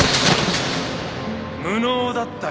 無能だったよ